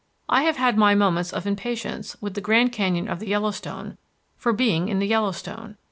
I have had my moments of impatience with the Grand Canyon of the Yellowstone for being in the Yellowstone.